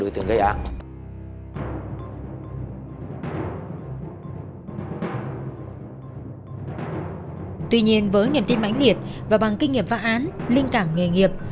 tuy nhiên với niềm tin mãnh liệt và bằng kinh nghiệm phá án linh cảm nghề nghiệp